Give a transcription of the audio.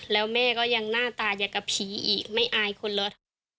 แล้วแม่ก็ยังหน้าตาอยากกับผีอีกไม่อายคนรถ